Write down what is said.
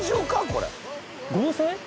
これ合成？